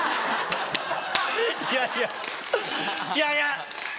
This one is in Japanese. いやいやいやいや。